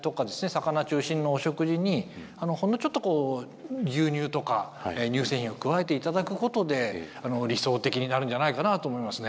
魚中心のお食事にほんのちょっと牛乳とか乳製品を加えて頂くことで理想的になるんじゃないかなあと思いますね。